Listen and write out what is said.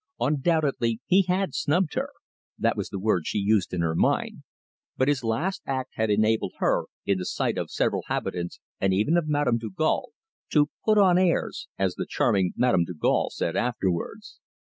Undoubtedly he had snubbed her that was the word she used in her mind but his last act had enabled her, in the sight of several habitants and even of Madame Dugal, "to put on airs," as the charming Madame Dugal said afterwards.